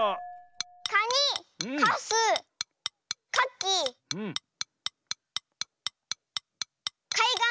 「かに」「かす」「かき」「かいがん」。